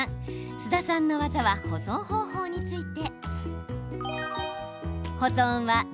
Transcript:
須田さんの技は保存方法について。